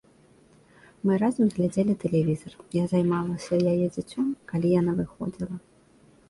Мы разам глядзелі тэлевізар, я займалася яе дзіцем, калі яна выходзіла.